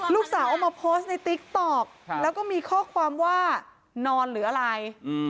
เอามาโพสต์ในติ๊กต๊อกแล้วก็มีข้อความว่านอนหรืออะไร